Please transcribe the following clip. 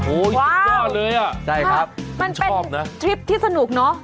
โอ้ยยินดีกว่าเลยใช่ครับชอบนะมันเป็นทริปที่สนุกเนอะ